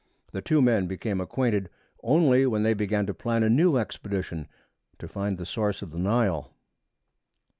The two men became acquainted only when they began to plan a new expedition to find the source of the Nile.